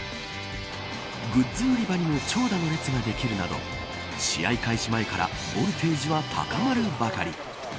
グッズ売り場にも長蛇の列ができるなど試合開始前からボルテージは高まるばかり。